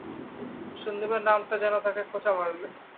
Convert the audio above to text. সন্দীপের নামটা যেন তাকে খোঁচা মারলে।